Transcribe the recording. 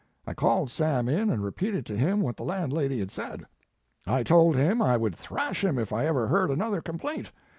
I called Sam in and repeated to him what the landlady had said. I told him I would thrash him if I ever heard another complaint.